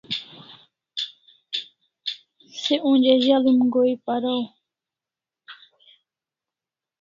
Se onja zali'm go'in paraw